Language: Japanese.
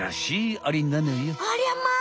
ありゃまあ！